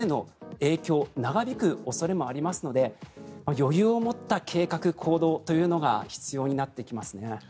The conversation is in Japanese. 更に、災害が発生すると交通への影響長引く恐れもありますので余裕を持った計画・行動というのが必要になってきますね。